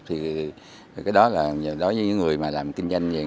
thì cái đó là đối với những người mà làm kinh doanh